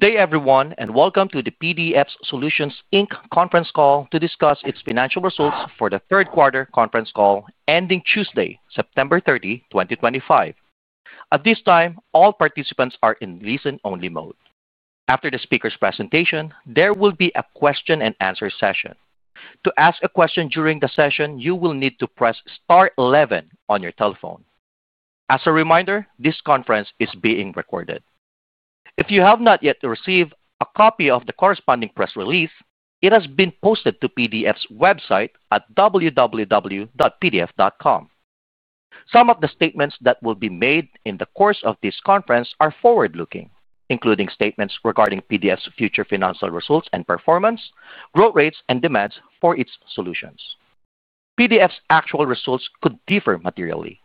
Good day, everyone, and welcome to the PDF Solutions conference call to discuss its financial results for the third quarter conference call ending Tuesday, September 30, 2025. At this time, all participants are in listen-only mode. After the speaker's presentation, there will be a question-and-answer session. To ask a question during the session, you will need to press Star 11 on your telephone. As a reminder, this conference is being recorded. If you have not yet received a copy of the corresponding press release, it has been posted to PDF's website at www.PDF.com. Some of the statements that will be made in the course of this conference are forward-looking, including statements regarding PDF's future financial results and performance, growth rates, and demands for its solutions. PDF's actual results could differ materially.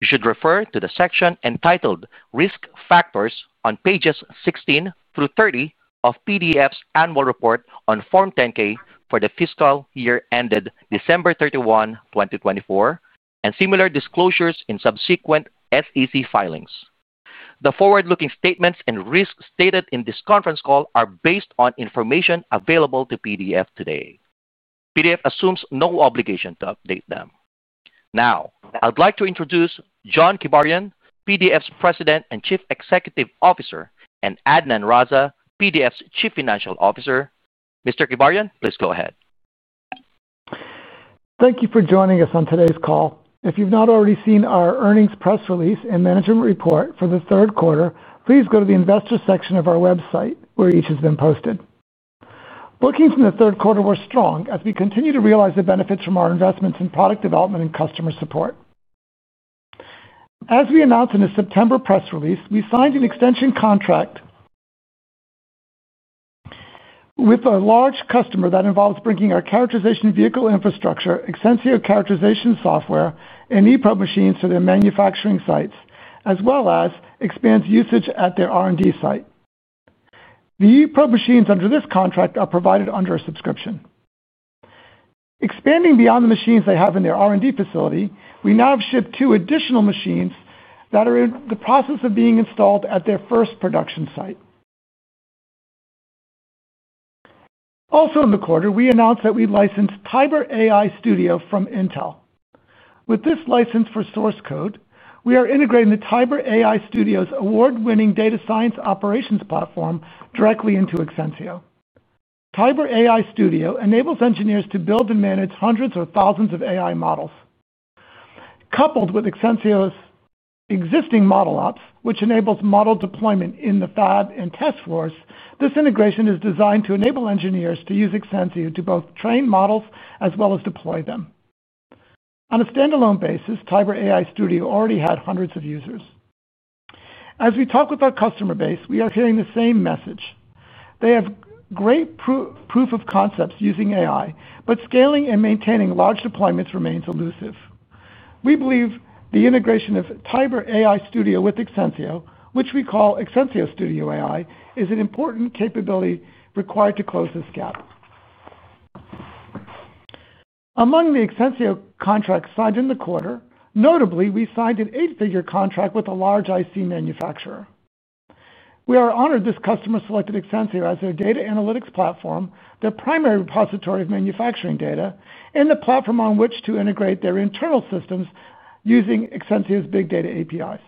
You should refer to the section entitled Risk Factors on pages 16 through 30 of PDF's annual report on Form 10-K for the fiscal year ended December 31, 2024, and similar disclosures in subsequent SEC filings. The forward-looking statements and risks stated in this conference call are based on information available to PDF today. PDF assumes no obligation to update them. Now, I'd like to introduce John Kibarian, PDF's President and Chief Executive Officer, and Adnan Raza, PDF's Chief Financial Officer. Mr. Kibarian, please go ahead. Thank you for joining us on today's call. If you've not already seen our earnings press release and management report for the third quarter, please go to the investor section of our website where each has been posted. Working from the third quarter was strong as we continue to realize the benefits from our investments in product development and customer support. As we announced in the September press release, we signed an extension contract with a large customer that involves bringing our characterization vehicle infrastructure, Exensio characterization software, and eProbe machines to their manufacturing sites, as well as expand usage at their R&D site. The eProbe machines under this contract are provided under a subscription. Expanding beyond the machines they have in their R&D facility, we now have shipped two additional machines that are in the process of being installed at their first production site. Also, in the quarter, we announced that we licensed Tiber AI Studio from Intel. With this license for source code, we are integrating the Tiber AI Studio's award-winning data science operations platform directly into Exensio. Tiber AI Studio enables engineers to build and manage hundreds or thousands of AI models. Coupled with Exensio's existing model ops, which enables model deployment in the fab and test floors, this integration is designed to enable engineers to use Exensio to both train models as well as deploy them. On a standalone basis, Tiber AI Studio already had hundreds of users. As we talk with our customer base, we are hearing the same message. They have great proof of concepts using AI, but scaling and maintaining large deployments remains elusive. We believe the integration of Tiber AI Studio with Exensio, which we call Exensio Studio AI, is an important capability required to close this gap. Among the Exensio contracts signed in the quarter, notably, we signed an eight-figure contract with a large IC manufacturer. We are honored this customer selected Exensio as their data analytics platform, their primary repository of manufacturing data, and the platform on which to integrate their internal systems using Exensio's big data APIs.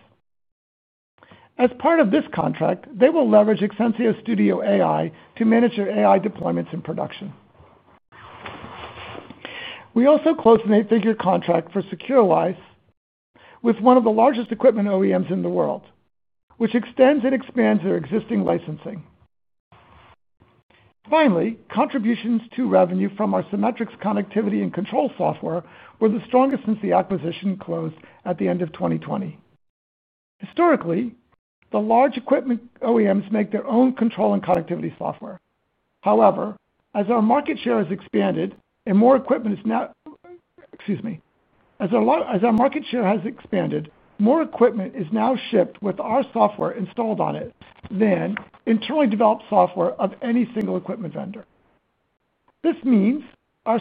As part of this contract, they will leverage Exensio Studio AI to manage their AI deployments in production. We also closed an eight-figure contract for secureWISE with one of the largest equipment OEMs in the world, which extends and expands their existing licensing. Finally, contributions to revenue from our Cimetrix connectivity and control software were the strongest since the acquisition closed at the end of 2020. Historically, the large equipment OEMs make their own control and connectivity software. However, as our market share has expanded and more equipment is now—excuse me—as our market share has expanded, more equipment is now shipped with our software installed on it than internally developed software of any single equipment vendor. This means our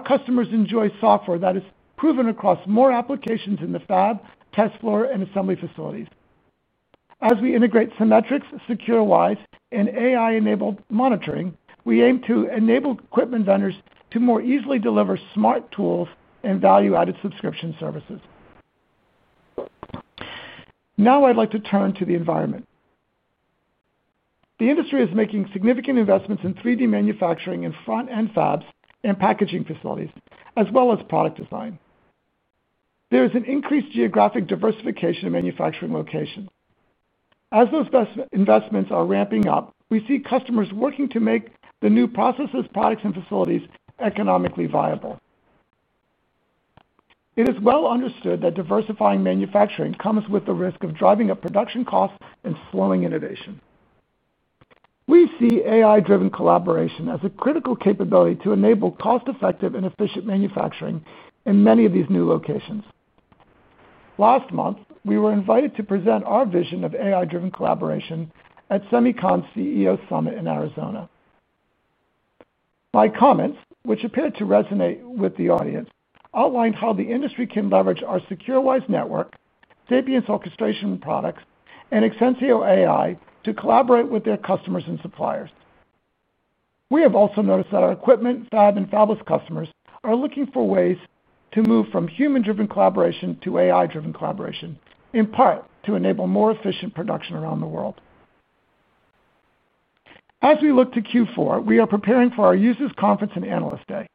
customers enjoy software that is proven across more applications in the fab, test floor, and assembly facilities. As we integrate Cimetrix, secureWISE, and AI-enabled monitoring, we aim to enable equipment vendors to more easily deliver smart tools and value-added subscription services. Now, I'd like to turn to the environment. The industry is making significant investments in 3D manufacturing in front-end fabs and packaging facilities, as well as product design. There is an increased geographic diversification of manufacturing locations. As those investments are ramping up, we see customers working to make the new processes, products, and facilities economically viable. It is well understood that diversifying manufacturing comes with the risk of driving up production costs and slowing innovation. We see AI-driven collaboration as a critical capability to enable cost-effective and efficient manufacturing in many of these new locations. Last month, we were invited to present our vision of AI-driven collaboration at SEMICON's CEO Summit in Arizona. My comments, which appeared to resonate with the audience, outlined how the industry can leverage our secureWISE network, Sapience orchestration products, and Exensio AI to collaborate with their customers and suppliers. We have also noticed that our equipment, fab, and fabless customers are looking for ways to move from human-driven collaboration to AI-driven collaboration, in part to enable more efficient production around the world. As we look to Q4, we are preparing for our users' conference and analyst day.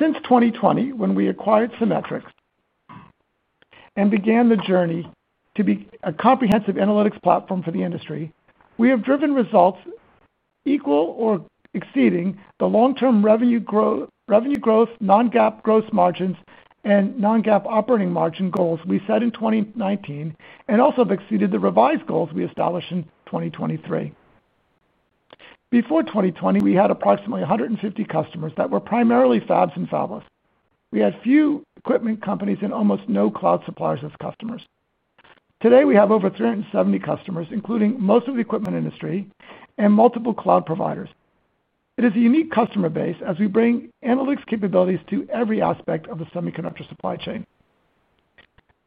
Since 2020, when we acquired Cimetrix and began the journey to be a comprehensive analytics platform for the industry, we have driven results equal or exceeding the long-term revenue growth, non-GAAP gross margins, and non-GAAP operating margin goals we set in 2019 and also have exceeded the revised goals we established in 2023. Before 2020, we had approximately 150 customers that were primarily fabs and fabless. We had few equipment companies and almost no cloud suppliers as customers. Today, we have over 370 customers, including most of the equipment industry and multiple cloud providers. It is a unique customer base as we bring analytics capabilities to every aspect of the semiconductor supply chain.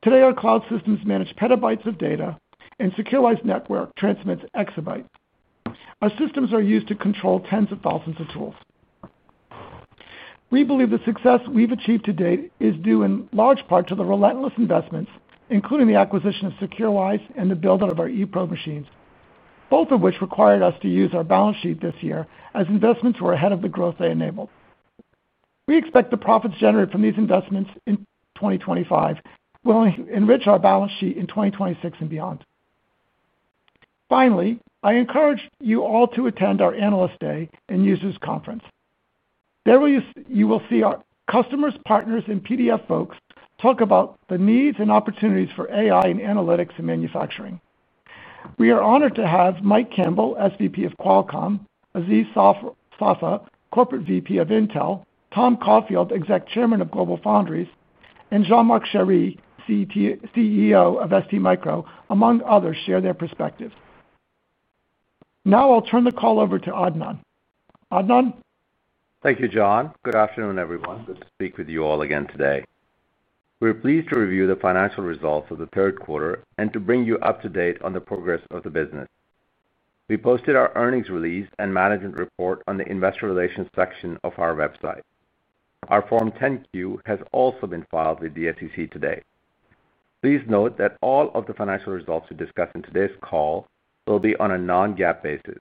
Today, our cloud systems manage petabytes of data, and secureWISE network transmits exabytes. Our systems are used to control tens of thousands of tools. We believe the success we've achieved to date is due in large part to the relentless investments, including the acquisition of secureWISE and the build-up of our eProbe machines, both of which required us to use our balance sheet this year as investments were ahead of the growth they enabled. We expect the profits generated from these investments in 2025 will enrich our balance sheet in 2026 and beyond. Finally, I encourage you all to attend our analyst day and users' conference. There you will see our customers, partners, and PDF folks talk about the needs and opportunities for AI and analytics in manufacturing. We are honored to have Mike Campbell, SVP of Qualcomm, Aziz Safa, Corporate VP of Intel, Tom Caulfield, Executive Chairman of GlobalFoundries, and Jean-Marc Chery, CEO of STMicro, among others, share their perspectives. Now, I'll turn the call over to Adnan. Adnan? Thank you, John. Good afternoon, everyone. Good to speak with you all again today. We're pleased to review the financial results of the third quarter and to bring you up to date on the progress of the business. We posted our earnings release and management report on the investor relations section of our website. Our Form 10-Q has also been filed with the SEC today. Please note that all of the financial results we discuss in today's call will be on a non-GAAP basis,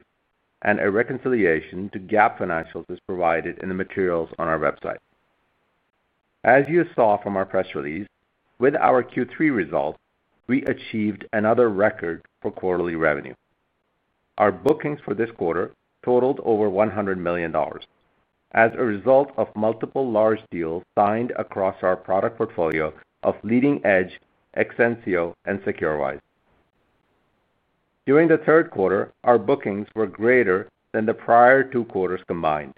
and a reconciliation to GAAP financials is provided in the materials on our website. As you saw from our press release, with our Q3 results, we achieved another record for quarterly revenue. Our bookings for this quarter totaled over $100 million. As a result of multiple large deals signed across our product portfolio of leading-edge Exensio and Cimetrix. During the third quarter, our bookings were greater than the prior two quarters combined.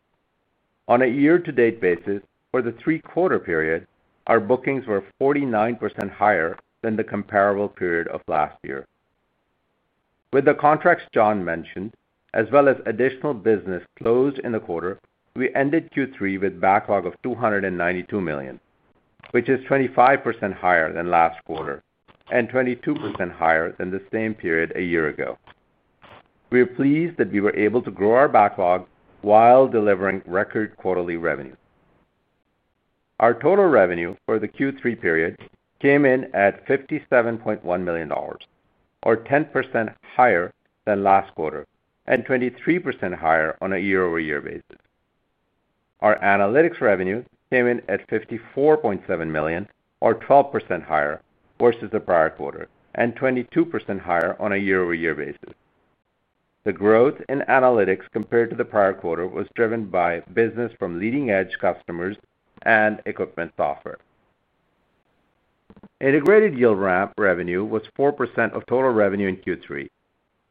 On a year-to-date basis, for the three-quarter period, our bookings were 49% higher than the comparable period of last year. With the contracts John mentioned, as well as additional business closed in the quarter, we ended Q3 with a backlog of $292 million, which is 25% higher than last quarter and 22% higher than the same period a year ago. We are pleased that we were able to grow our backlog while delivering record quarterly revenue. Our total revenue for the Q3 period came in at $57.1 million, or 10% higher than last quarter and 23% higher on a year-over-year basis. Our analytics revenue came in at $54.7 million, or 12% higher versus the prior quarter and 22% higher on a year-over-year basis. The growth in analytics compared to the prior quarter was driven by business from leading-edge customers and equipment software. Integrated yield ramp revenue was 4% of total revenue in Q3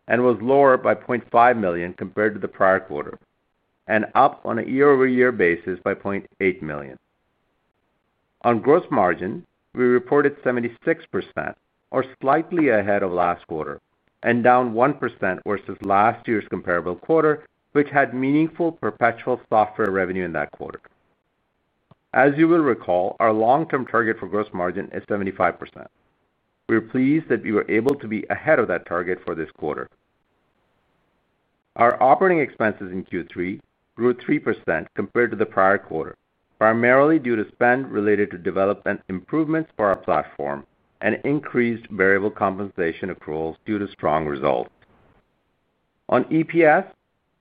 and was lower by $0.5 million compared to the prior quarter and up on a year-over-year basis by $0.8 million. On gross margin, we reported 76%, or slightly ahead of last quarter, and down 1% versus last year's comparable quarter, which had meaningful perpetual software revenue in that quarter. As you will recall, our long-term target for gross margin is 75%. We are pleased that we were able to be ahead of that target for this quarter. Our operating expenses in Q3 grew 3% compared to the prior quarter, primarily due to spend related to development improvements for our platform and increased variable compensation accruals due to strong results. On EPS,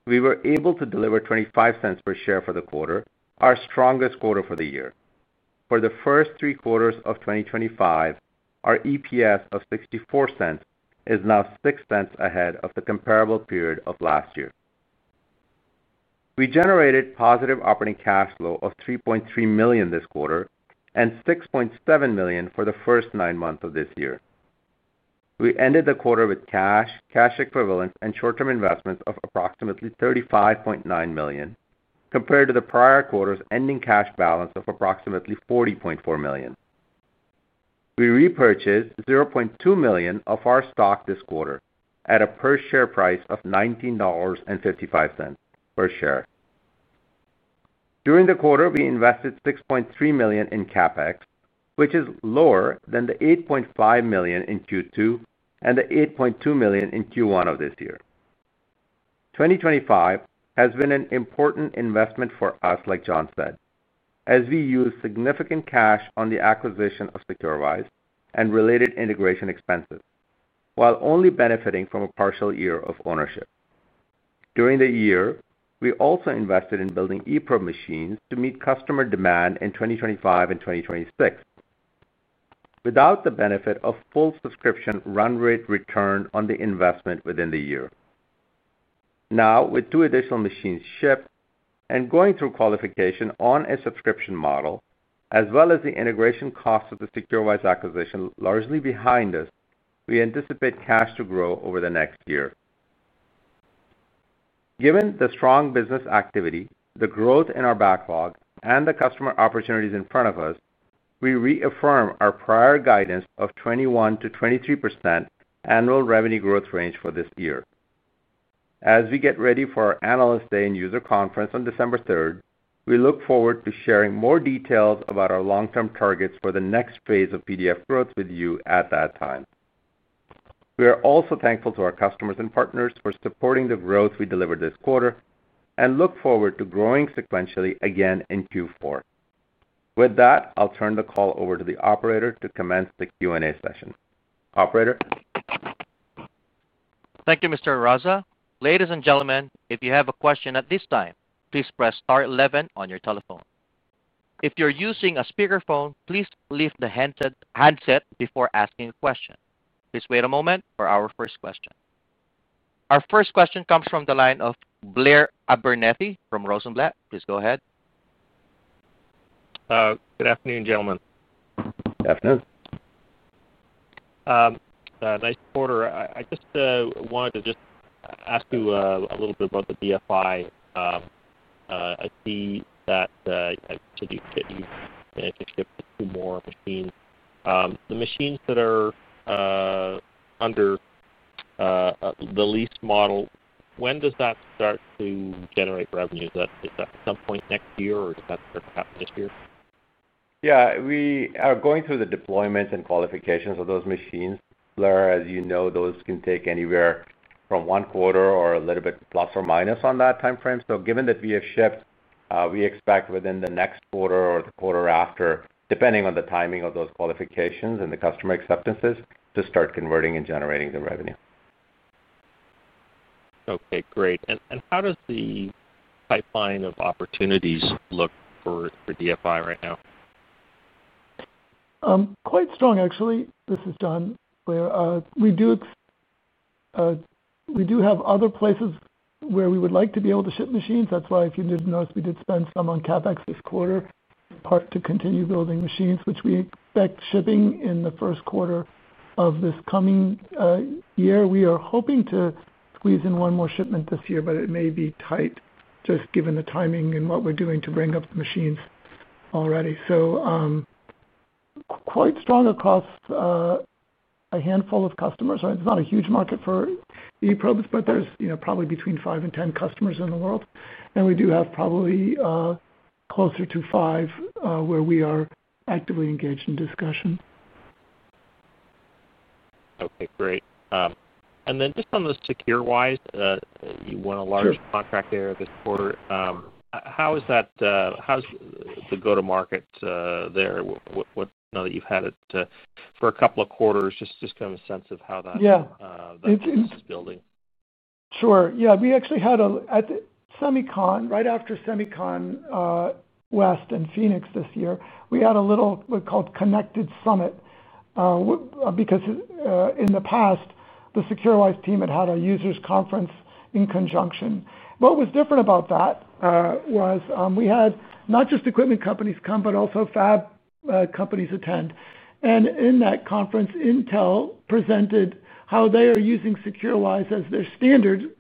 we were able to deliver $0.25 per share for the quarter, our strongest quarter for the year. For the first three quarters of 2025, our EPS of $0.64 is now $0.06 ahead of the comparable period of last year. We generated positive operating cash flow of $3.3 million this quarter and $6.7 million for the first nine months of this year. We ended the quarter with cash, cash equivalents, and short-term investments of approximately $35.9 million compared to the prior quarter's ending cash balance of approximately $40.4 million. We repurchased $0.2 million of our stock this quarter at a per-share price of $19.55 per share. During the quarter, we invested $6.3 million in CapEx, which is lower than the $8.5 million in Q2 and the $8.2 million in Q1 of this year. 2025 has been an important investment for us, like John said, as we used significant cash on the acquisition of Securalize and related integration expenses, while only benefiting from a partial year of ownership. During the year, we also invested in building eProbe machines to meet customer demand in 2025 and 2026. Without the benefit of full subscription run rate return on the investment within the year. Now, with two additional machines shipped and going through qualification on a subscription model, as well as the integration costs of the secureWISE acquisition largely behind us, we anticipate cash to grow over the next year. Given the strong business activity, the growth in our backlog, and the customer opportunities in front of us, we reaffirm our prior guidance of 21%-23% annual revenue growth range for this year. As we get ready for our analyst day and user conference on December 3rd, we look forward to sharing more details about our long-term targets for the next phase of PDF growth with you at that time. We are also thankful to our customers and partners for supporting the growth we delivered this quarter and look forward to growing sequentially again in Q4. With that, I'll turn the call over to the operator to commence the Q&A session. Operator. Thank you, Mr. Raza. Ladies and gentlemen, if you have a question at this time, please press star 11 on your telephone. If you're using a speakerphone, please leave the handset before asking a question. Please wait a moment for our first question. Our first question comes from the line of Blair Abernethy from Rosenblatt. Please go ahead. Good afternoon, gentlemen. Good afternoon. Nice quarter. I just wanted to ask you a little bit about the DFI. I see that you [managed to ship two more machines]. The machines that are under the lease model, when does that start to generate revenue? Is that at some point next year, or does that start to happen this year? Yeah. We are going through the deployments and qualifications of those machines. Blair, as you know, those can take anywhere from one quarter or a little bit plus or minus on that time frame. Given that we have shipped, we expect within the next quarter or the quarter after, depending on the timing of those qualifications and the customer acceptances, to start converting and generating the revenue. Okay. Great. How does the pipeline of opportunities look for DFI right now? Quite strong, actually, this is John Blair. We do have other places where we would like to be able to ship machines. That's why, if you didn't notice, we did spend some on CapEx this quarter, in part to continue building machines, which we expect shipping in the first quarter of this coming year. We are hoping to squeeze in one more shipment this year, but it may be tight just given the timing and what we're doing to bring up the machines already. Quite strong across a handful of customers. It's not a huge market for eProbe, but there's probably between 5 and 10 customers in the world. And we do have probably closer to 5 where we are actively engaged in discussion. Okay. Great. And then just on the secureWISE, you won a large contract there this quarter. How is the go-to-market there? Now that you've had it for a couple of quarters, just give a sense of how that is building. Sure. Yeah. We actually had a SEMICON, right after SEMICON West in Phoenix this year, we had a little what we called Connected Summit. Because in the past, the secureWISE team had had a users' conference in conjunction. What was different about that was we had not just equipment companies come, but also fab companies attend. In that conference, Intel presented how they are using secureWISE as their standard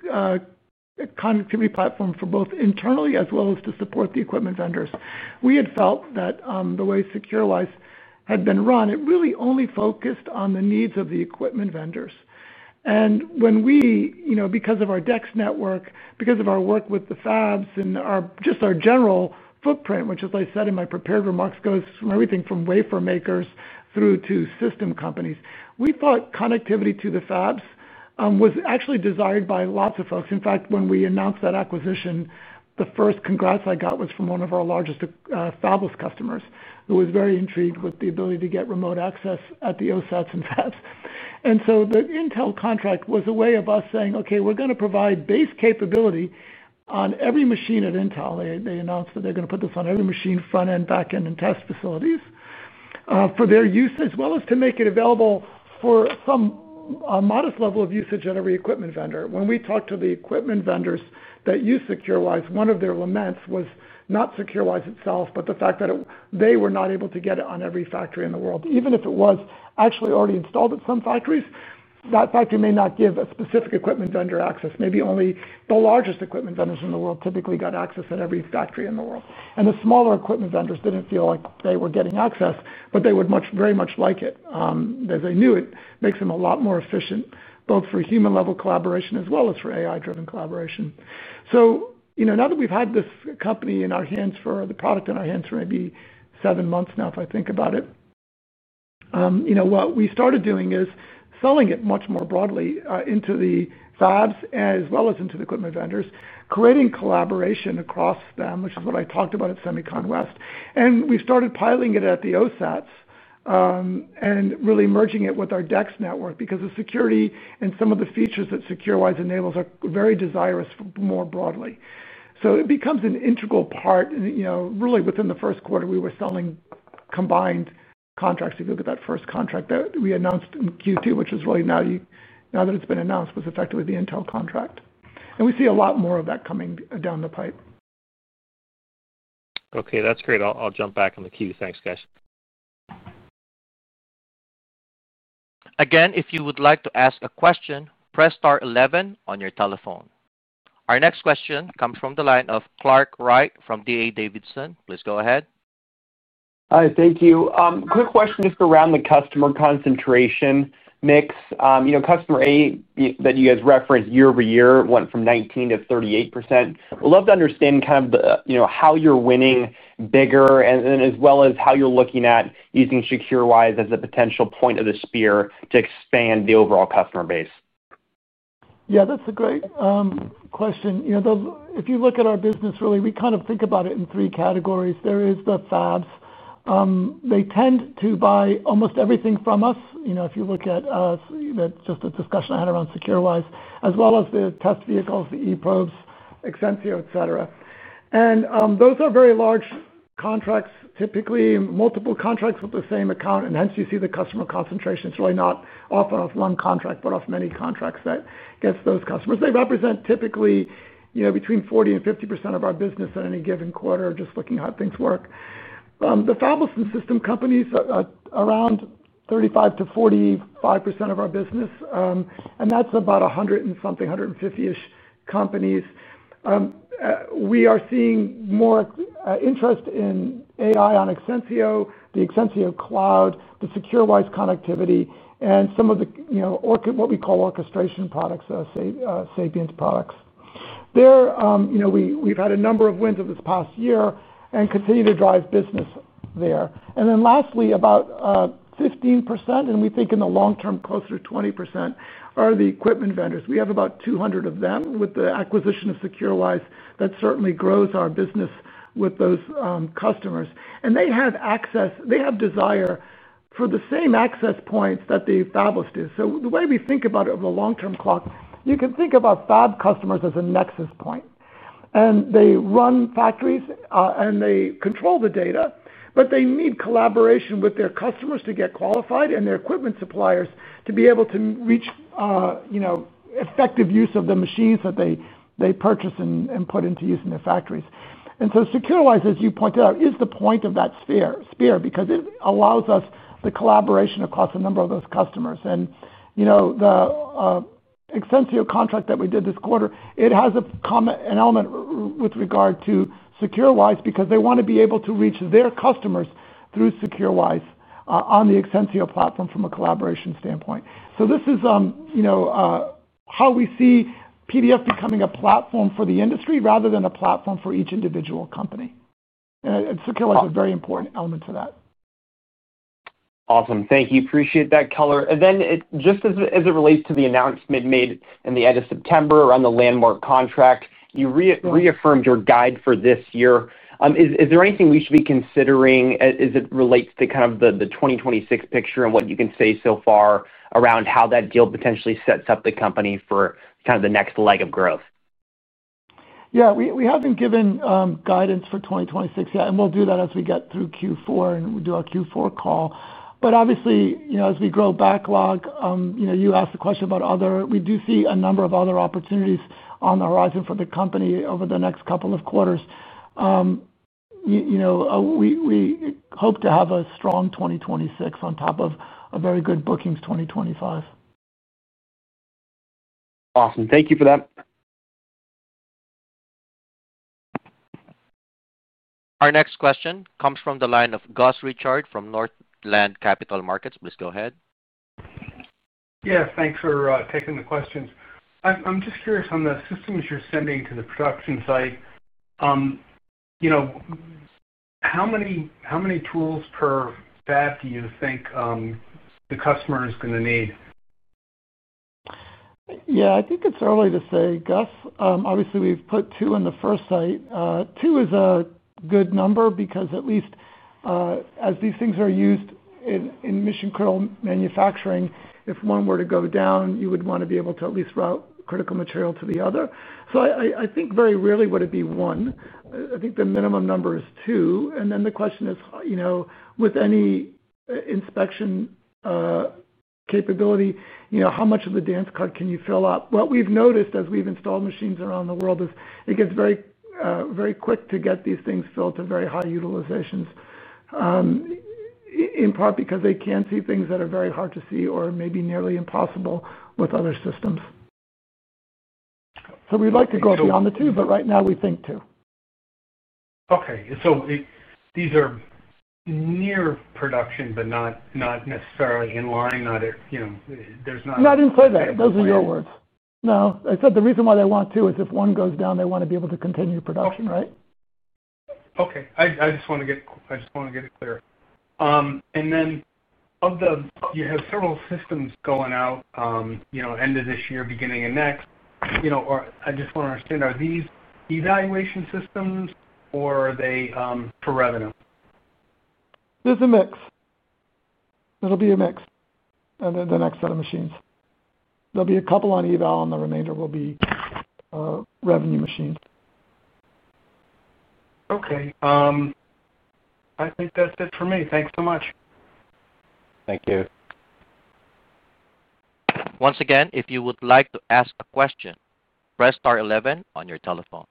connectivity platform for both internally as well as to support the equipment vendors. We had felt that the way secureWISE had been run, it really only focused on the needs of the equipment vendors. Because of our DEX network, because of our work with the fabs and just our general footprint, which, as I said in my prepared remarks, goes from everything from wafer makers through to system companies, we thought connectivity to the fabs was actually desired by lots of folks. In fact, when we announced that acquisition, the first congrats I got was from one of our largest fabless customers who was very intrigued with the ability to get remote access at the OSATs and fabs. The Intel contract was a way of us saying, "Okay, we're going to provide base capability on every machine at Intel." They announced that they're going to put this on every machine, front end, back end, and test facilities. For their use, as well as to make it available for some modest level of usage at every equipment vendor. When we talked to the equipment vendors that use secureWISE, one of their laments was not secureWISE itself, but the fact that they were not able to get it on every factory in the world. Even if it was actually already installed at some factories, that factory may not give a specific equipment vendor access. Maybe only the largest equipment vendors in the world typically got access at every factory in the world. The smaller equipment vendors did not feel like they were getting access, but they would very much like it. As they knew, it makes them a lot more efficient, both for human-level collaboration as well as for AI-driven collaboration. Now that we have had this company in our hands for the product in our hands for maybe seven months now, if I think about it. What we started doing is selling it much more broadly into the fabs as well as into the equipment vendors, creating collaboration across them, which is what I talked about at SEMICON West. We started piloting it at the OSATs. Really merging it with our DEX network because the security and some of the features that secureWISE enables are very desirous for more broadly. It becomes an integral part. Really, within the first quarter, we were selling combined contracts. If you look at that first contract that we announced in Q2, which was really now that it's been announced, was effectively the Intel contract. We see a lot more of that coming down the pipe. Okay. That's great. I'll jump back on the queue. Thanks, guys. Again, if you would like to ask a question, press star 11 on your telephone. Our next question comes from the line of Clark Wright from D.A. Davidson. Please go ahead. Hi. Thank you. Quick question just around the customer concentration mix. Customer A that you guys referenced year over year went from 19% to 38%. We'd love to understand kind of how you're winning bigger and as well as how you're looking at using secureWISE as a potential point of the spear to expand the overall customer base. Yeah. That's a great question. If you look at our business, really, we kind of think about it in three categories. There is the fabs. They tend to buy almost everything from us. If you look at just the discussion I had around secureWISE, as well as the test vehicles, the eProbe systems, Exensio, etc. Those are very large contracts, typically multiple contracts with the same account. Hence, you see the customer concentration. It's really not off of one contract, but off many contracts that get those customers. They represent typically between 40%-50% of our business in any given quarter, just looking at how things work. The fabless and system companies are around 35%-45% of our business. That's about 100 and something, 150-ish companies. We are seeing more interest in AI on Exensio, the Exensio Cloud, the secureWISE connectivity, and some of the. What we call orchestration products, Sapience products. We've had a number of wins over this past year and continue to drive business there. Lastly, about 15%, and we think in the long term, closer to 20%, are the equipment vendors. We have about 200 of them. With the acquisition of secureWISE, that certainly grows our business with those customers. They have access; they have desire for the same access points that the fabless do. The way we think about it over the long-term clock, you can think about fab customers as a nexus point. They run factories, and they control the data, but they need collaboration with their customers to get qualified and their equipment suppliers to be able to reach effective use of the machines that they purchase and put into use in their factories. SecureWISE, as you pointed out, is the point of that sphere because it allows us the collaboration across a number of those customers. The Exensio contract that we did this quarter, it has an element with regard to secureWISE because they want to be able to reach their customers through secureWISE on the Exensio platform from a collaboration standpoint. This is how we see PDF becoming a platform for the industry rather than a platform for each individual company. secureWISE is a very important element to that. Awesome. Thank you. Appreciate that color. Just as it relates to the announcement made in the end of September around the landmark contract, you reaffirmed your guide for this year. Is there anything we should be considering as it relates to kind of the 2026 picture and what you can say so far around how that deal potentially sets up the company for kind of the next leg of growth? Yeah. We haven't given guidance for 2026 yet, and we'll do that as we get through Q4 and do our Q4 call. Obviously, as we grow backlog, you asked the question about other—we do see a number of other opportunities on the horizon for the company over the next couple of quarters. We hope to have a strong 2026 on top of a very good bookings 2025. Awesome. Thank you for that. Our next question comes from the line of Gus Richard from Northland Capital Markets. Please go ahead. Yeah. Thanks for taking the questions. I'm just curious on the systems you're sending to the production site. How many tools per fab do you think the customer is going to need? Yeah. I think it's early to say, Gus. Obviously, we've put two in the first site. Two is a good number because at least, as these things are used in mission critical manufacturing, if one were to go down, you would want to be able to at least route critical material to the other. I think very rarely would it be one. I think the minimum number is two. The question is, with any inspection capability, how much of the dance card can you fill up? What we've noticed as we've installed machines around the world is it gets very quick to get these things filled to very high utilizations, in part because they can see things that are very hard to see or maybe nearly impossible with other systems. We'd like to go beyond the two, but right now we think two. Okay. So these are near production, but not necessarily in line, not at— Not inside there. Those are your words. No. I said the reason why they want two is if one goes down, they want to be able to continue production, right? Okay. I just want to get—I just want to get it clear. Of the—you have several systems going out end of this year, beginning of next. I just want to understand, are these evaluation systems or are they for revenue? There's a mix. It'll be a mix of the next set of machines. There'll be a couple on eval, and the remainder will be revenue machines. Okay. I think that's it for me. Thanks so much. Thank you. Once again, if you would like to ask a question, press star 11 on your telephone.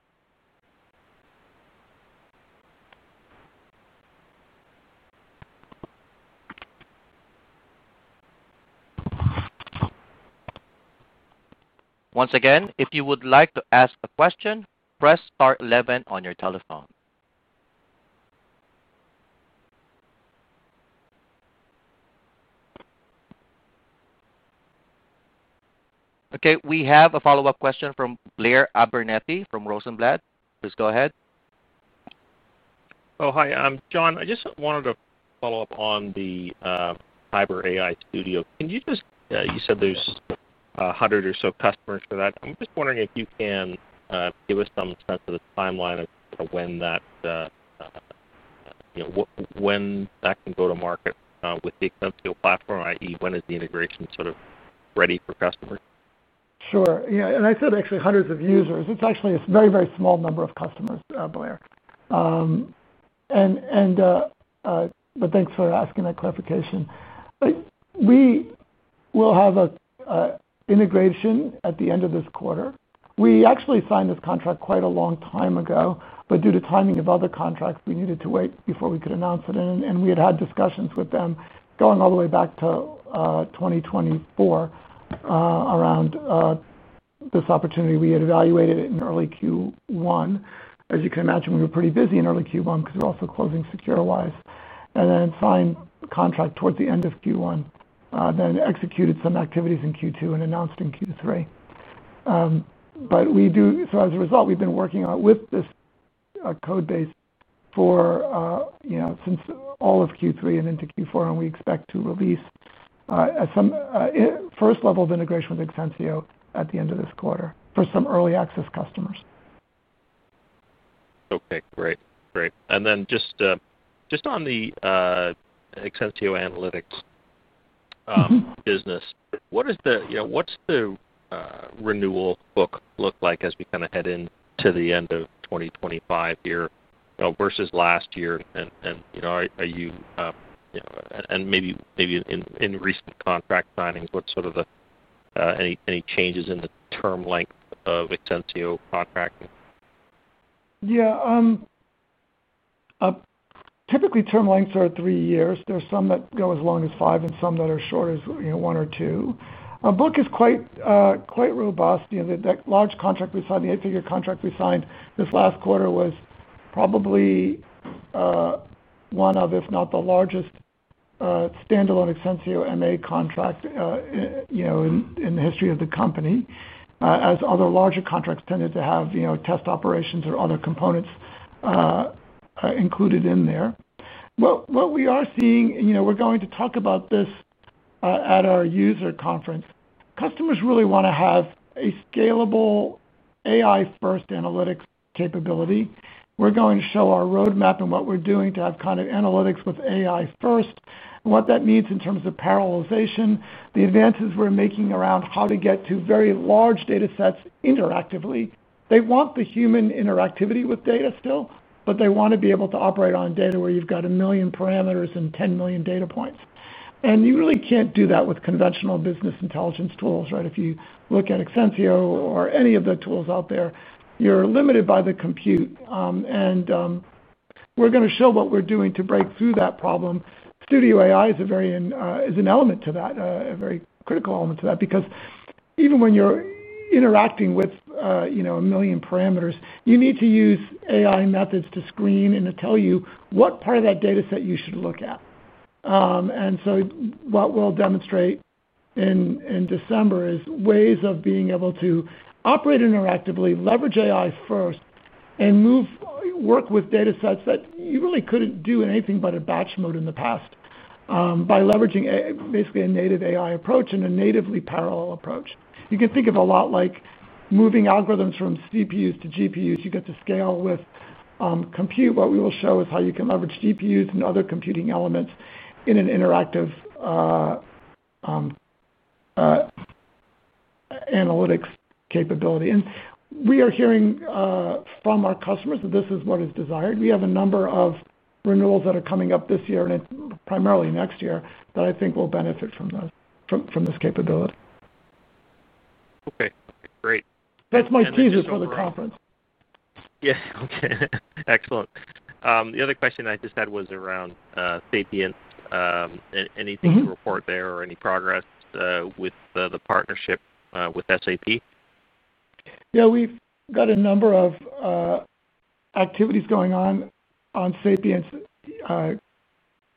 Okay. We have a follow-up question from Blair Abernethy from Rosenblatt. Please go ahead. Oh, hi. John, I just wanted to follow up on the Tiber AI Studio. Can you just—you said there's 100 or so customers for that. I'm just wondering if you can give us some sense of the timeline of when that—when that can go to market with the [Exensio platform, i.e.], when is the integration sort of ready for customers? Sure. Yeah. And I said actually hundreds of users. It's actually a very, very small number of customers, Blair. And thanks for asking that clarification. We will have an integration at the end of this quarter. We actually signed this contract quite a long time ago, but due to timing of other contracts, we needed to wait before we could announce it. We had had discussions with them going all the way back to 2024 around this opportunity. We had evaluated it in early Q1. As you can imagine, we were pretty busy in early Q1 because we're also closing secureWISE. Then signed contract towards the end of Q1, then executed some activities in Q2 and announced in Q3. As a result, we've been working with this code base for since all of Q3 and into Q4, and we expect to release. A first level of integration with Exensio at the end of this quarter for some early access customers. Okay. Great. Great. And then just on the Exensio analytics business, what's the renewal book look like as we kind of head into the end of 2025 here versus last year? And maybe in recent contract signings, what sort of, any changes in the term length of Exensio contracting? Yeah. Typically, term lengths are three years. There are some that go as long as five and some that are as short as one or two. Our book is quite robust. That large contract we signed, the eight-figure contract we signed this last quarter, was probably one of, if not the largest, stand-alone Exensio MA contracts in the history of the company, as other larger contracts tended to have test operations or other components included in there. What we are seeing—we are going to talk about this at our user conference. Customers really want to have a scalable, AI-first analytics capability. We are going to show our roadmap and what we are doing to have kind of analytics with AI first, and what that means in terms of parallelization, the advances we are making around how to get to very large data sets interactively. They want the human interactivity with data still, but they want to be able to operate on data where you've got a million parameters and 10 million data points. You really can't do that with conventional business intelligence tools, right? If you look at Exensio or any of the tools out there, you're limited by the compute. We're going to show what we're doing to break through that problem. Studio AI is an element to that, a very critical element to that, because even when you're interacting with a million parameters, you need to use AI methods to screen and to tell you what part of that data set you should look at. What we'll demonstrate in December is ways of being able to operate interactively, leverage AI first, and. Work with data sets that you really couldn't do anything but in batch mode in the past. By leveraging basically a native AI approach and a natively parallel approach. You can think of a lot like moving algorithms from CPUs to GPUs. You get to scale with compute. What we will show is how you can leverage GPUs and other computing elements in an interactive analytics capability. And we are hearing from our customers that this is what is desired. We have a number of renewals that are coming up this year and primarily next year that I think will benefit from this capability. Okay. Great. That's my teaser for the conference. Yeah. Okay. Excellent. The other question I just had was around Sapience. Anything to report there or any progress with the partnership with SAP? Yeah. We've got a number of activities going on on Sapience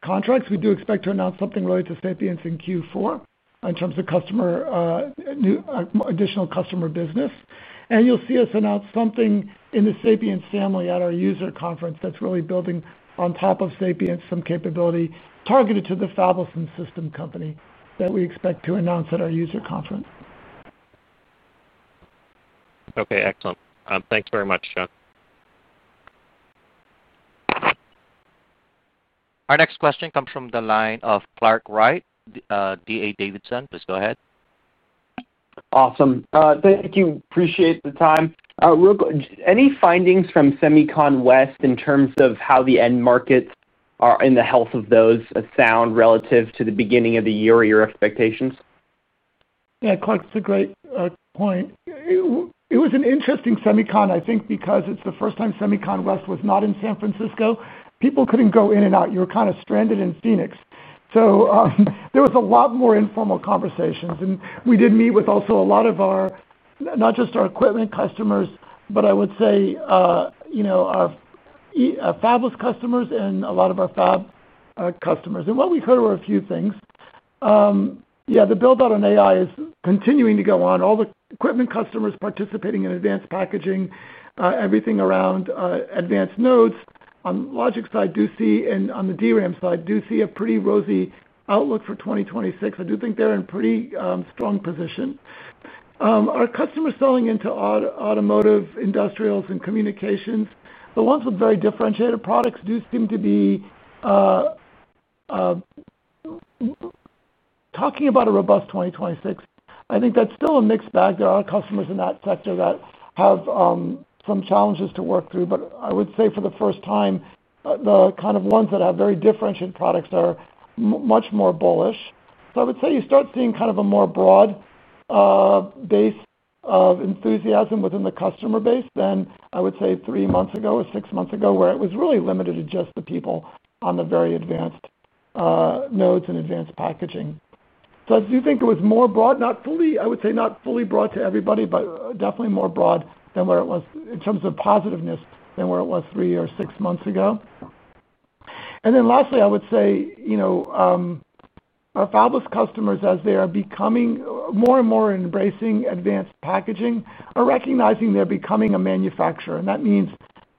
contracts. We do expect to announce something related to Sapience in Q4 in terms of additional customer business. You'll see us announce something in the Sapience family at our user conference that's really building on top of Sapience, some capability targeted to the fabless and system company that we expect to announce at our user conference. Okay. Excellent. Thanks very much, John. Our next question comes from the line of Clark Wright, D.A. Davidson. Please go ahead. Awesome. Thank you. Appreciate the time. Any findings from SEMICON West in terms of how the end markets are and the health of those sound relative to the beginning of the year or your expectations? Yeah. Clark, that's a great point. It was an interesting SEMICON, I think, because it's the first time SEMICON West was not in San Francisco. People couldn't go in and out. You were kind of stranded in Phoenix. There was a lot more informal conversations. We did meet with also a lot of our—not just our equipment customers, but I would say our fabless customers and a lot of our fab customers. What we heard were a few things. Yeah. The build-out on AI is continuing to go on. All the equipment customers participating in advanced packaging, everything around advanced nodes on logic side, do see—and on the DRAM side, do see a pretty rosy outlook for 2026. I do think they're in a pretty strong position. Our customers selling into automotive, industrials, and communications, the ones with very differentiated products do seem to be. Talking about a robust 2026. I think that's still a mixed bag. There are customers in that sector that have some challenges to work through. I would say for the first time, the kind of ones that have very differentiated products are much more bullish. I would say you start seeing kind of a more broad base of enthusiasm within the customer base than, I would say, three months ago or six months ago where it was really limited to just the people on the very advanced nodes and advanced packaging. I do think it was more broad, not fully—I would say not fully broad to everybody, but definitely more broad than where it was in terms of positiveness than where it was three or six months ago. Lastly, I would say. Our fabless customers, as they are becoming more and more embracing advanced packaging, are recognizing they're becoming a manufacturer. That means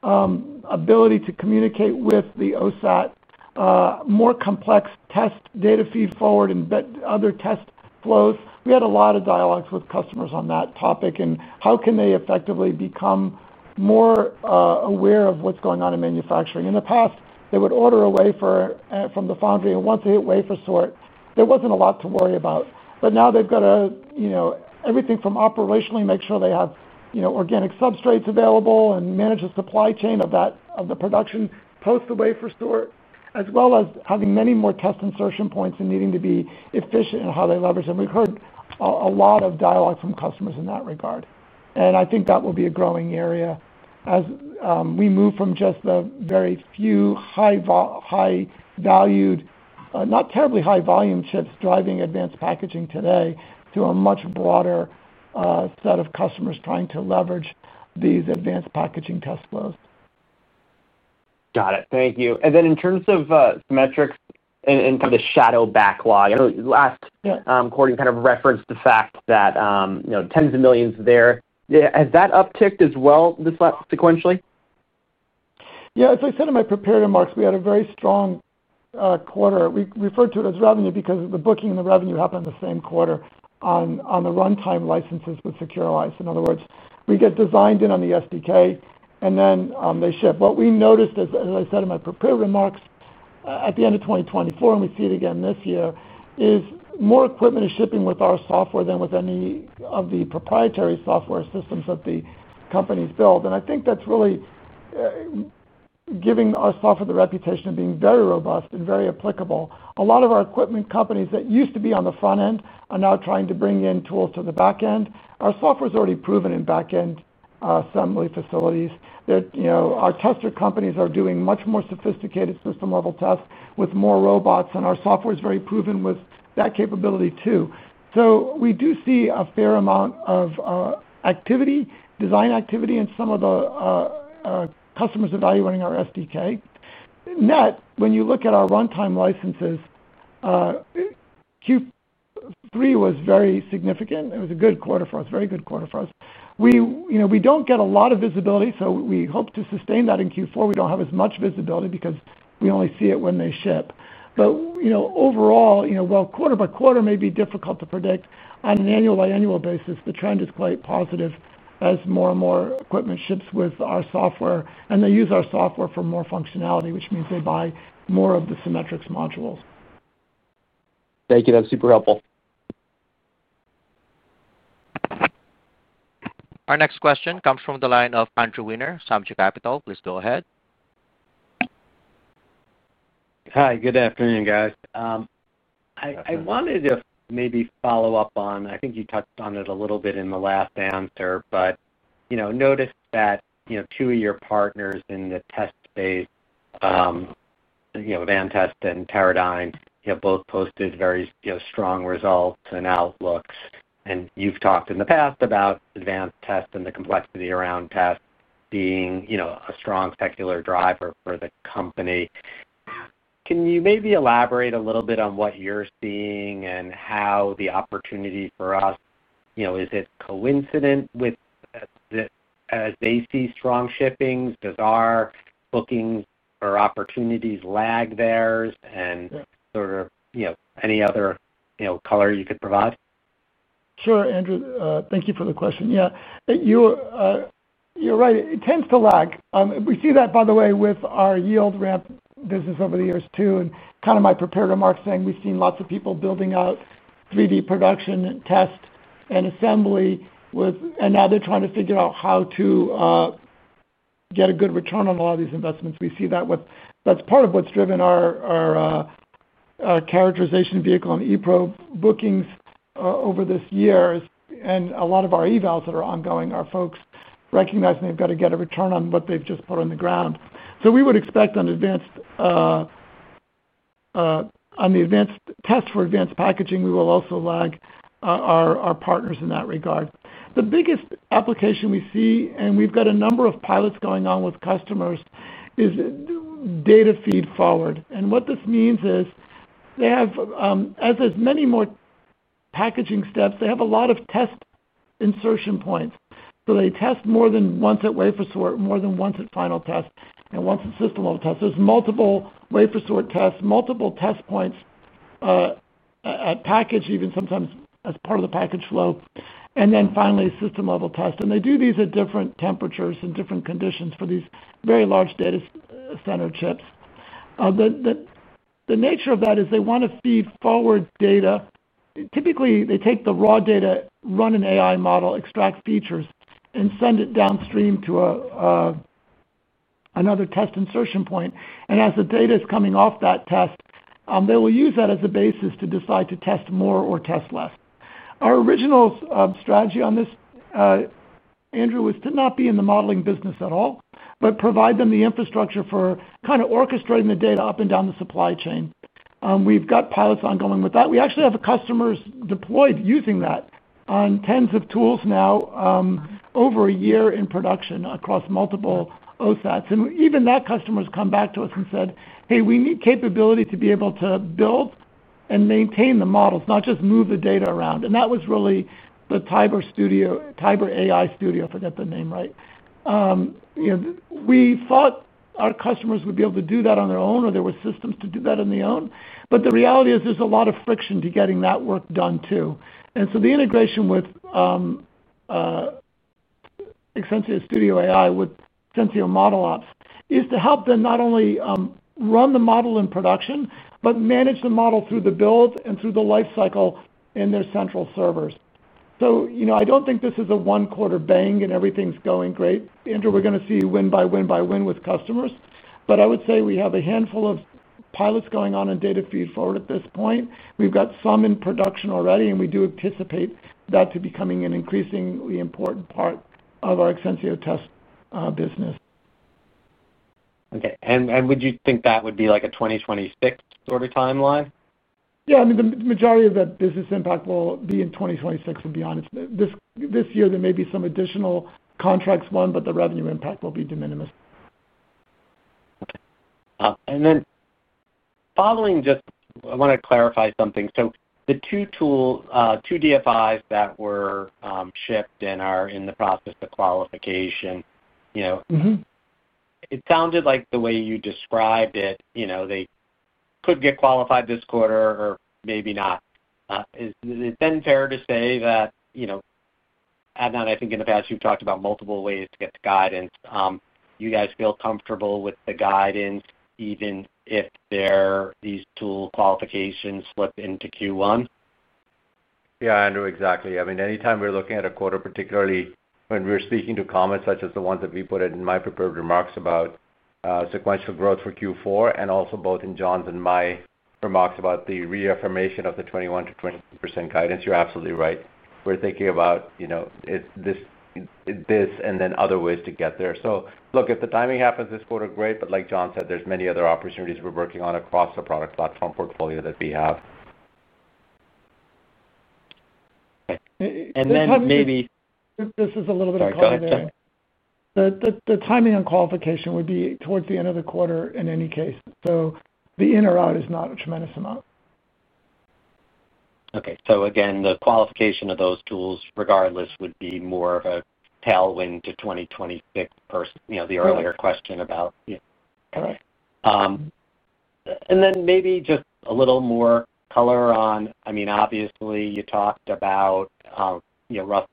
ability to communicate with the OSAT, more complex test data feed forward and other test flows. We had a lot of dialogues with customers on that topic and how can they effectively become more aware of what's going on in manufacturing. In the past, they would order a wafer from the foundry, and once they hit wafer sort, there wasn't a lot to worry about. Now they've got to, everything from operationally make sure they have organic substrates available and manage the supply chain of the production post the wafer sort, as well as having many more test insertion points and needing to be efficient in how they leverage them. We've heard a lot of dialogue from customers in that regard. I think that will be a growing area. As we move from just the very few high-valued, not terribly high-volume chips driving advanced packaging today to a much broader set of customers trying to leverage these advanced packaging test flows. Got it. Thank you. In terms of metrics and kind of the shadow backlog, I know last recording kind of referenced the fact that tens of millions there. Has that upticked as well this sequentially? Yeah. As I said in my prepared remarks, we had a very strong quarter. We referred to it as revenue because the booking and the revenue happened in the same quarter on the runtime licenses with secureWISE. In other words, we get designed in on the SDK, and then they ship. What we noticed, as I said in my prepared remarks, at the end of 2024, and we see it again this year, is more equipment is shipping with our software than with any of the proprietary software systems that the companies build. I think that's really giving our software the reputation of being very robust and very applicable. A lot of our equipment companies that used to be on the front end are now trying to bring in tools to the back end. Our software is already proven in back end assembly facilities. Our tester companies are doing much more sophisticated system-level tests with more robots, and our software is very proven with that capability too. So we do see a fair amount of design activity in some of the customers evaluating our SDK. Net, when you look at our runtime licenses, Q3 was very significant. It was a good quarter for us, very good quarter for us. We do not get a lot of visibility, so we hope to sustain that in Q4. We do not have as much visibility because we only see it when they ship. Overall, quarter by quarter may be difficult to predict. On an annual-by-annual basis, the trend is quite positive as more and more equipment ships with our software. They use our software for more functionality, which means they buy more of the Cimetrix modules. Thank you. That's super helpful. Our next question comes from the line of Andrew Wiener, Samjo Capital. Please go ahead. Hi. Good afternoon, guys. I wanted to maybe follow up on—I think you touched on it a little bit in the last answer—but I noticed that two of your partners in the test space, Advantest and Teradyne, both posted very strong results and outlooks. You've talked in the past about advanced tests and the complexity around tests being a strong secular driver for the company. Can you maybe elaborate a little bit on what you're seeing and how the opportunity for us—is it coincident with as they see strong shippings? Does our booking or opportunities lag theirs? Any other color you could provide? Sure, Andrew. Thank you for the question. Yeah. You're right. It tends to lag. We see that, by the way, with our yield ramp business over the years too. In my prepared remarks, I said we've seen lots of people building out 3D production test and assembly. Now they're trying to figure out how to get a good return on a lot of these investments. We see that with—that's part of what's driven our characterization vehicle and eProbe bookings over this year. A lot of our evals that are ongoing are folks recognizing they've got to get a return on what they've just put on the ground. We would expect on the advanced tests for advanced packaging, we will also lag our partners in that regard. The biggest application we see—and we've got a number of pilots going on with customers—is data feed forward. What this means is they have, as there's many more packaging steps, they have a lot of test insertion points. They test more than once at wafer sort, more than once at final test, and once at system-level test. There are multiple wafer sort tests, multiple test points at package, even sometimes as part of the package flow. Finally, system-level test. They do these at different temperatures and different conditions for these very large data center chips. The nature of that is they want to feed forward data. Typically, they take the raw data, run an AI model, extract features, and send it downstream to another test insertion point. As the data is coming off that test, they will use that as a basis to decide to test more or test less. Our original strategy on this, Andrew, was to not be in the modeling business at all, but provide them the infrastructure for kind of orchestrating the data up and down the supply chain. We've got pilots ongoing with that. We actually have customers deployed using that on tens of tools now. Over a year in production across multiple OSATs. Even that customer has come back to us and said, "Hey, we need capability to be able to build and maintain the models, not just move the data around." That was really the Tiber AI Studio—I forget the name, right? We thought our customers would be able to do that on their own or there were systems to do that on their own. The reality is there's a lot of friction to getting that work done too. The integration with Exensio Studio AI with Exensio ModelOps is to help them not only run the model in production but manage the model through the build and through the lifecycle in their central servers. I do not think this is a one-quarter bang and everything's going great. Andrew, we're going to see win by win by win with customers. I would say we have a handful of pilots going on in data feed forward at this point. We've got some in production already, and we do anticipate that to becoming an increasingly important part of our Exensio test business. Okay. Would you think that would be like a 2026 sort of timeline? Yeah. I mean, the majority of that business impact will be in 2026, to be honest. This year, there may be some additional contracts won, but the revenue impact will be de minimis. Okay. And then, following just—I want to clarify something. So the two DFIs that were shipped and are in the process of qualification, it sounded like the way you described it, they could get qualified this quarter or maybe not. Is it then fair to say that, Adnan—I think in the past you've talked about multiple ways to get the guidance—you guys feel comfortable with the guidance even if these tool qualifications slip into Q1? Yeah, Andrew, exactly. I mean, anytime we're looking at a quarter, particularly when we're speaking to comments such as the ones that we put in my prepared remarks about sequential growth for Q4 and also both in John's and my remarks about the reaffirmation of the 21%-22% guidance, you're absolutely right. We're thinking about this and then other ways to get there. Look, if the timing happens this quarter, great. Like John said, there are many other opportunities we're working on across the product platform portfolio that we have. Maybe. Sorry, go ahead. This is a little bit of a comment, John. The timing on qualification would be towards the end of the quarter in any case. So the in or out is not a tremendous amount. Okay. So again, the qualification of those tools regardless would be more of a tailwind to 2026 versus the earlier question about. Correct. Maybe just a little more color on—I mean, obviously, you talked about rough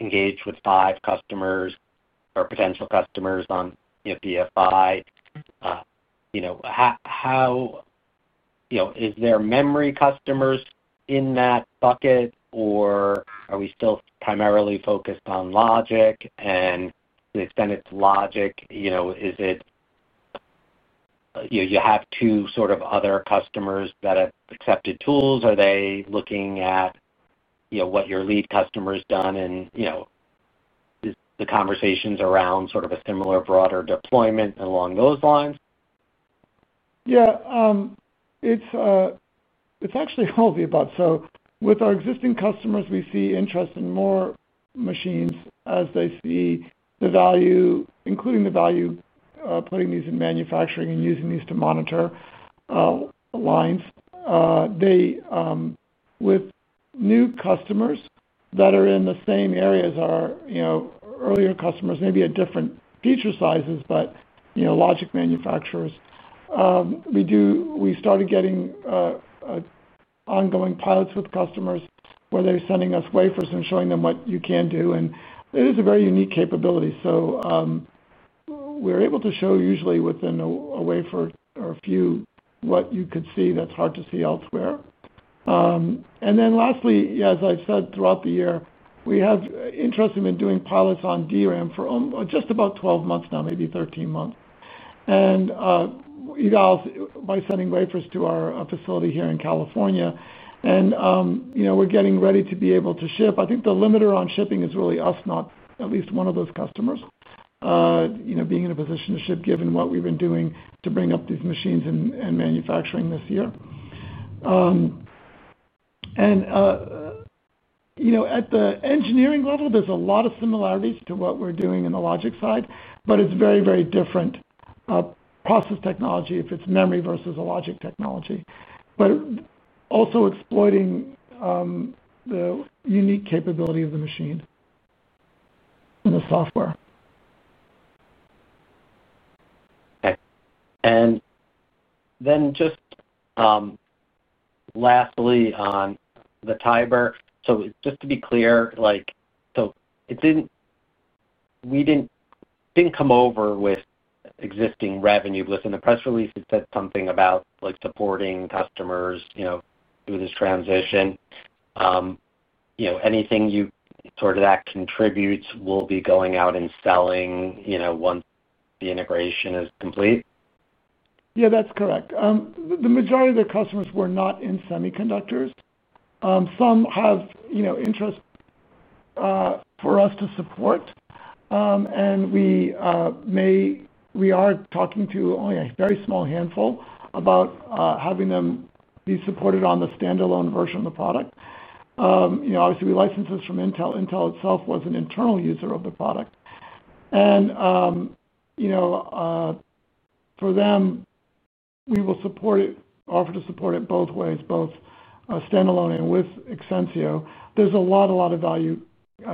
engage with five customers or potential customers on DFI. Is there memory customers in that bucket, or are we still primarily focused on logic? To the extent it's logic, is it you have two sort of other customers that have accepted tools? Are they looking at what your lead customer has done and the conversations around sort of a similar broader deployment along those lines? Yeah. It's actually all of the above. With our existing customers, we see interest in more machines as they see the value, including the value of putting these in manufacturing and using these to monitor lines. With new customers that are in the same area as our earlier customers, maybe at different feature sizes, but logic manufacturers, we started getting ongoing pilots with customers where they're sending us wafers and showing them what you can do. It is a very unique capability. We're able to show usually within a wafer or a few what you could see that's hard to see elsewhere. Lastly, as I've said throughout the year, we have interest in doing pilots on DRAM for just about 12 months now, maybe 13 months. Evals by sending wafers to our facility here in California. We're getting ready to be able to ship. I think the limiter on shipping is really us, not at least one of those customers. Being in a position to ship given what we've been doing to bring up these machines and manufacturing this year. At the engineering level, there's a lot of similarities to what we're doing in the logic side, but it's very, very different process technology if it's memory versus a logic technology. Also exploiting the unique capability of the machine and the software. Okay. Then just lastly on the Tiber. Just to be clear, we did not come over with existing revenue. In the press release, it said something about supporting customers through this transition. Anything that contributes will be going out and selling once the integration is complete? Yeah, that's correct. The majority of their customers were not in semiconductors. Some have interest. For us to support. We are talking to only a very small handful about having them be supported on the standalone version of the product. Obviously, we license this from Intel. Intel itself was an internal user of the product. For them, we will offer to support it both ways, both standalone and with Exensio. There's a lot of value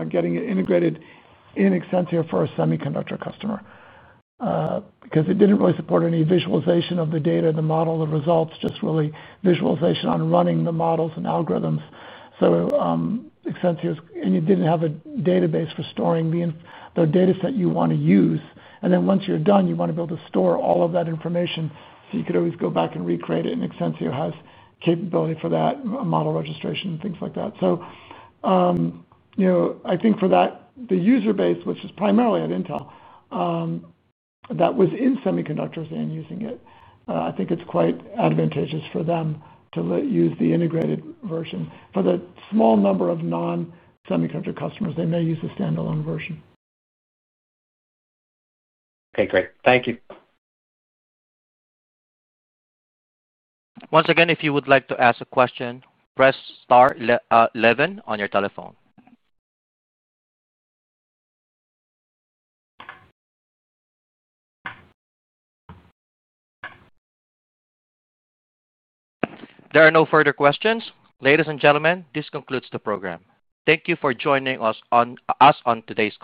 getting it integrated in Exensio for a semiconductor customer because it did not really support any visualization of the data, the model, the results, just really visualization on running the models and algorithms. Exensio's, and you did not have a database for storing the dataset you want to use. Once you're done, you want to be able to store all of that information so you could always go back and recreate it. Exensio has capability for that, model registration and things like that. I think for that, the user base, which is primarily at Intel, that was in semiconductors and using it, I think it's quite advantageous for them to use the integrated version. For the small number of non-semiconductor customers, they may use the standalone version. Okay. Great. Thank you. Once again, if you would like to ask a question, press star 11 on your telephone. There are no further questions. Ladies and gentlemen, this concludes the program. Thank you for joining us on today's.